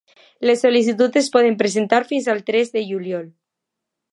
Les sol·licituds es poden presentar fins al tres de juliol.